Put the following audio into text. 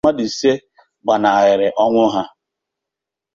mmadụ ise ọzọ gbanahịrị ọnwụ ha